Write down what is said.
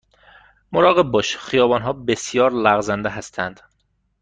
مراقب باش، خیابان ها بسیار لغزنده هستند.